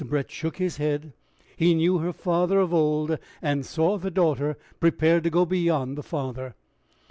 Brett shook his head: he knew her father of old, and saw the daughter prepared to go beyond the father.